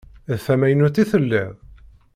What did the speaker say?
D tamaynut i telliḍ?